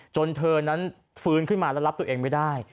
เธอนั้นฟื้นขึ้นมาแล้วรับตัวเองไม่ได้